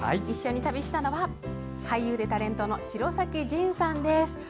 一緒に旅したのは俳優でタレントの城咲仁さんです。